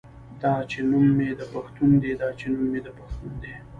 دا چې نوم مې د پښتون دے دا چې نوم مې د پښتون دے